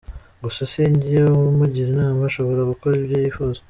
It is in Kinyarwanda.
Gusa si jye umugira inama ashobora gukora ibyo yifuza".